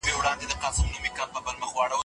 که جګړه نه وای سوي، هېواد به ډېر پرمختګ کړی وای.